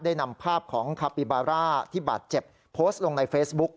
นำภาพของคาปิบาร่าที่บาดเจ็บโพสต์ลงในเฟซบุ๊ก